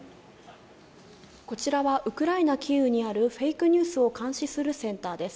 こちらは、ウクライナ・キーウにあるフェイクニュースを監視するセンターです。